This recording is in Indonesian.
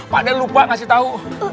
pak deh lupa ngasih tau